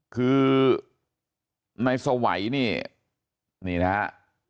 คือนายสวัยนี่นี่นะฮะ